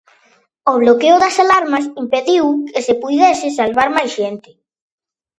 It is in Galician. O bloqueo das alarmas impediu que se puidese salvar máis xente.